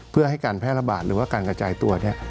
เพื่อให้การแพร่ระบาดหรือว่าการกระจายตัว